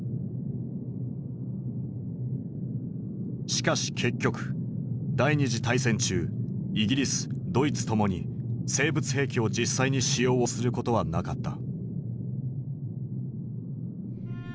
しかし結局第二次大戦中イギリスドイツともに生物兵器を実際に使用をすることはなかった。